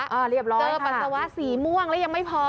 เจอกับปัสสาวะสีม่วงแล้วยังไม่พอ